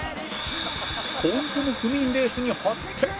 本当の不眠レースに発展